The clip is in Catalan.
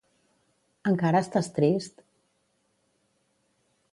Encara estàs trist?